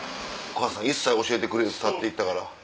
お母さん一切教えてくれず去って行ったから。